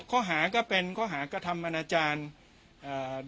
ข้อหาก็เป็นข้อหากระทำอนาจารย์เอ่อ